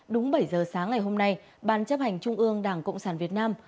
đúng bảy giờ sáng ngày hôm nay ban chấp hành trung ương đảng cộng sản việt nam